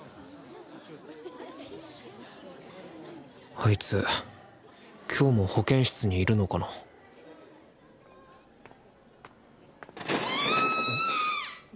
あいつ今日も保健室にいるのかな・きゃあ！